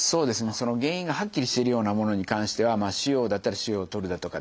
その原因がはっきりしてるようなものに関しては腫瘍だったら腫瘍を取るだとかですね